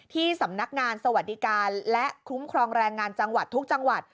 ที่สำนักงานสวัสดิการและคุ้มครองแรงงานจังหวัดทุกจังหวัด